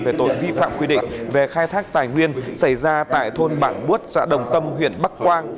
về tội vi phạm quy định về khai thác tài nguyên xảy ra tại thôn bản bút xã đồng tâm huyện bắc quang